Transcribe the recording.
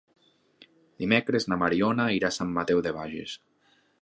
Dimecres na Mariona irà a Sant Mateu de Bages.